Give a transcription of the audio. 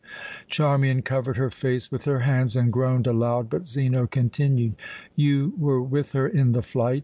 Charmian covered her face with her hands and groaned aloud, but Zeno continued: "You were with her in the flight.